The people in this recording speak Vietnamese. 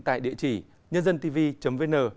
tại địa chỉ nhândântv vn